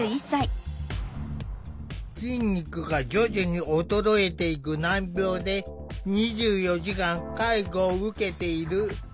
筋肉が徐々に衰えていく難病で２４時間介護を受けている。